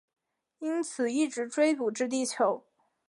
因此一直追捕至地球。